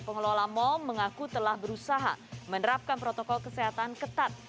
pengelola mal mengaku telah berusaha menerapkan protokol kesehatan ketat